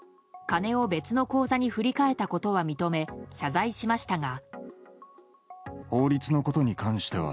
金を別の口座に振り替えたことは認め謝罪しましたが。